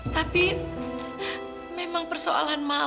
tapi memang persoalan mawar